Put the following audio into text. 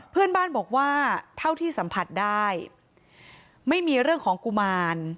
เพื่อนบ้านบอกว่าเท่าที่สัมผัสได้ไม่มีเรื่องของกุมาร